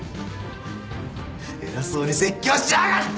偉そうに説教しやがって！